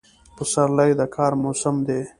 پسرلی د کار موسم دی.